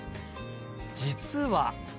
実は。